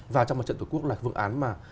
và trong một trận tuổi quốc là phương án mà